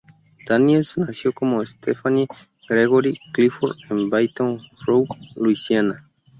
Daniels nació como Stephanie Gregory Clifford en Baton Rouge, Luisiana.